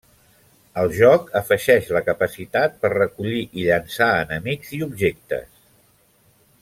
El joc afegeix la capacitat per recollir i llançar enemics i objectes.